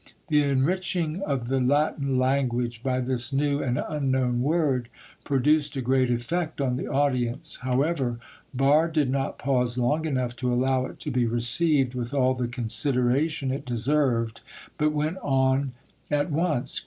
The enriching of the Latin language by this new and unknown word produced a great effect on the audience; however, Barre did not pause long enough to allow it to be received with all the consideration it deserved, but went on at once.